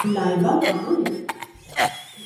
لائبہ کہاں ہے؟